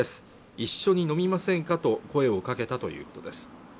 一緒に飲みませんかと声をかけたということです